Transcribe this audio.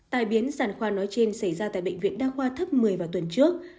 tai biến sản khoa nói trên xảy ra tại bệnh viện đa khoa thấp một mươi vào tuần trước